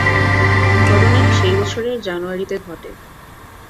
ঘটনাটি সেই বছরের জানুয়ারিতে ঘটে।